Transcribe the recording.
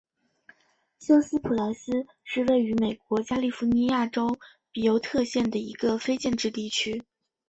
休斯普莱斯是位于美国加利福尼亚州比尤特县的一个非建制地区。